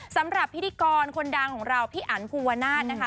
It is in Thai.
สำหรับพิธีกรคนดังของเราพี่อันภูวนาศนะคะ